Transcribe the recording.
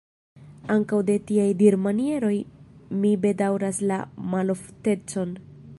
Ankaŭ de tiaj dirmanieroj mi bedaŭras la maloftecon.